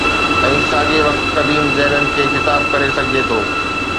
۽ ساڳئي وقت قديم ذهن کي خطاب ڪري سگهي ٿو.